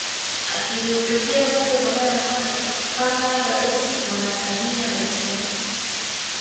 Akilihutubia bunge kwa mara kwanza kama rais Mama Samia alisema